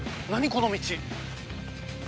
この道。